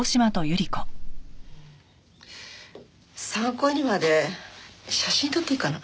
参考にまで写真撮っていいかな？